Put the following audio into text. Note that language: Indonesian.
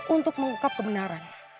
untuk mengungkap kebenaran